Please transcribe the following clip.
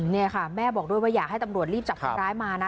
นี่ค่ะแม่บอกด้วยว่าอยากให้ตำรวจรีบจับคนร้ายมานะ